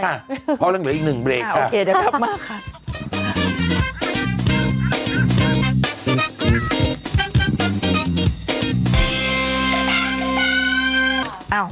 เพราะยังเหลืออีกหนึ่งเบรกโอเคเดี๋ยวกลับมาค่ะ